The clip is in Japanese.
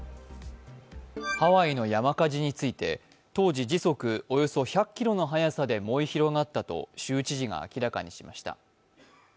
ハワイの山火事について当時、時速１００キロの速さで燃え広がったと州知事が明らかにしました。